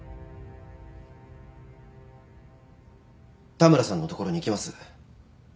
田村さんの所に行きます。